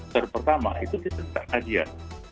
terpertama itu kita kajian